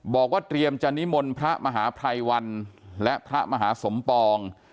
บอกว่าเตรียมจะนิมนต์พระมหาภัยวันและพระมหาสมปอง